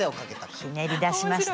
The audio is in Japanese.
ひねり出しました。